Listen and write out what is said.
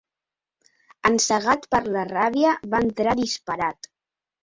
Encegat per la ràbia, va entrar disparat.